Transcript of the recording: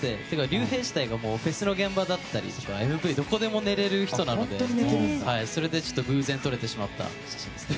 ＲＹＵＨＥＩ自体がフェスの現場だったりＭＶでもどこでも寝れるのでそれで偶然撮れてしまった写真ですね。